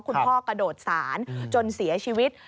คุณพ่อกระโดดสารจนเสียชีวิต